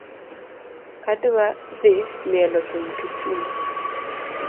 Adwa dhii mielo thum kisumu .